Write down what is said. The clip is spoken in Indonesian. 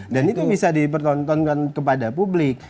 dan itu bisa dipertontonkan kepada publik